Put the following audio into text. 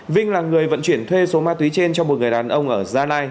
vinh là người vận chuyển thuê số ma túy trên cho một người đàn ông ở gia lai